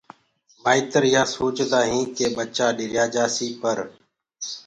مآئيتر يآ سوچدآ هين ڪي ٻچآ ڏريآ جآسي پر